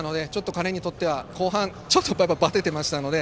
彼にとっては後半、ちょっとばててましたので。